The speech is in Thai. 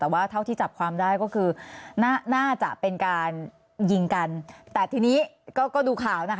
แต่ว่าเท่าที่จับความได้ก็คือน่าจะเป็นการยิงกันแต่ทีนี้ก็ดูข่าวนะคะ